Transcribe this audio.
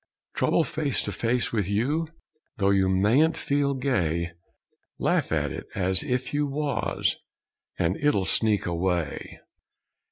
Trouble face to face with you? Though you mayn't feel gay, Laugh at it as if you wuz and it'll sneak away!